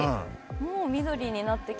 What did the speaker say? もう緑になってきた。